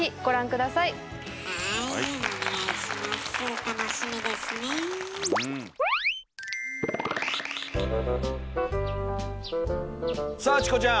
さあチコちゃん！